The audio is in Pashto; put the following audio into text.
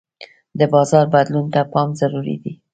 د بازار بدلون ته پام ضروري دی.